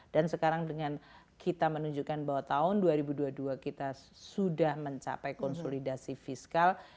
dan sekarang dengan kita menunjukkan bahwa tahun dua ribu dua puluh dua kita sudah mencapai konsolidasi fiskal